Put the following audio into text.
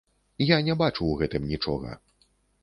Я не бачу ў гэтым нічога.